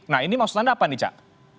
nah ini maksud anda apa nih cak